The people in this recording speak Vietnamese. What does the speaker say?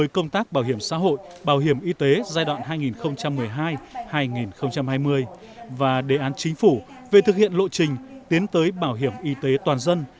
công tác bảo hiểm xã hội bảo hiểm y tế giai đoạn hai nghìn một mươi hai hai nghìn hai mươi và đề án chính phủ về thực hiện lộ trình tiến tới bảo hiểm y tế toàn dân